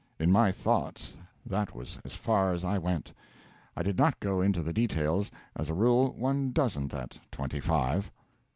In my thoughts that was as far as I went; I did not go into the details; as a rule one doesn't at twenty five.